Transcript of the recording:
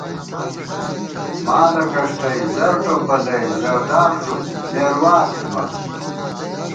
مال اکَݭٹَئی، زر ٹوپَلَئی، زردار ݫُپ مېروار تھِمان